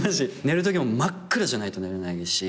寝るときも真っ暗じゃないと寝れないし。